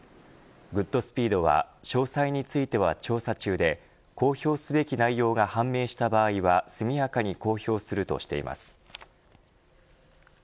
グッドスピードは詳細については調査中で公表すべき内容が判明した場合は速やかに公表するとしています。